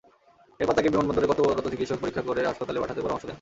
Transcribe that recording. এরপর তাঁকে বিমানবন্দরে কর্তব্যরত চিকিৎসক পরীক্ষা করে হাসপাতালে পাঠাতে পরামর্শ দেন।